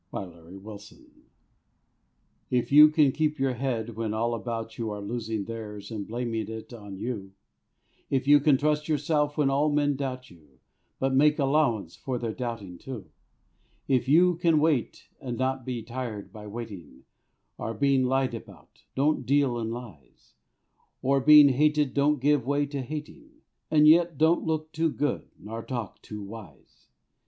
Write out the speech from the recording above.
Rudyard Kipling IF IP you can keep your head when all about you Are losing theirs and blaming it on you ; If you can trust yourself when all men doubt you, But make allowance for their doubting too ; If you can wait and not be tired by waiting, Or being lied about, don't deal in lies, Or being hated don't give way to hating, And yet don't look too good, nor talk too wise.